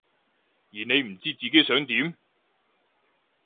而你唔知自己想點？